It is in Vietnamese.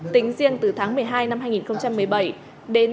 tính riêng từ tháng một mươi hai năm hai nghìn một mươi bảy đến